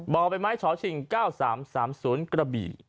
บ่อไปไม้ชอบสิ่ง๙๓๓๐กระบี่